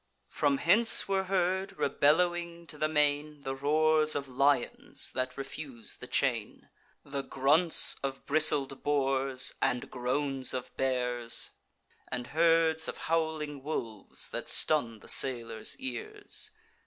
From hence were heard, rebellowing to the main, The roars of lions that refuse the chain, The grunts of bristled boars, and groans of bears, And herds of howling wolves that stun the sailors' ears.